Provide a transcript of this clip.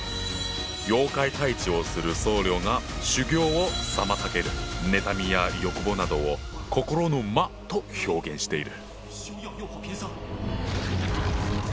妖怪退治をする僧侶が修行を妨げる妬みや欲望などを心の「魔」と表現している。